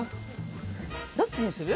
どっちにする？